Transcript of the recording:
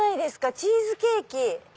チーズケーキ。